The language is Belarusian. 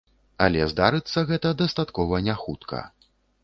Але здарыцца гэта дастаткова няхутка.